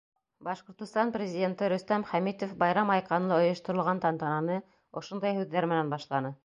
Башҡортостан Президенты Рөстәм Хәмитов байрам айҡанлы ойошторолған тантананы ошондай һүҙҙәр менән башланы.